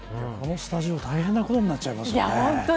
このスタジオ大変なことになっちゃいますね。